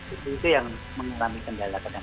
itu yang mengurangi kendala kadang kadang